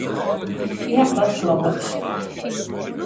Ja, dat kloppet.